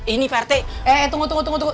ini pak rete eh tunggu tunggu tunggu